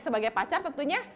sebagai pacar tentunya